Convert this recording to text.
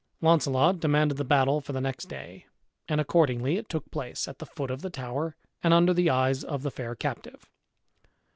Launcelot demanded the battle for the next day, and accordingly it took place, at the foot of the tower, and under the eyes of the fair captive.